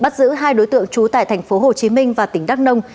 bắt giữ hai đối tượng trú tại thành phố hồ chí minh và tỉnh đắk nông